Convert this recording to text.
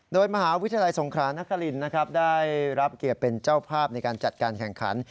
โดยมหาวิทยาลัยสงครานครินนะครับได้รับเกียรติเป็นเจ้าภาพในการจัดการแข่งขัน